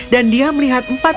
dan dia melihat empat orang